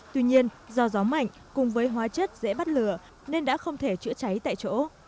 tuy nhiên do gió mạnh cùng với hóa chất dễ bắt lửa nên đã không thể chữa cháy tại chỗ